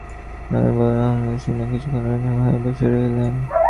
রণদাবাবুও কবিতাটি শুনিয়া কিছুক্ষণ স্তব্ধ হইয়া বসিয়া রহিলেন।